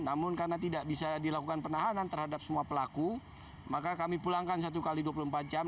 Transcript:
namun karena tidak bisa dilakukan penahanan terhadap semua pelaku maka kami pulangkan satu x dua puluh empat jam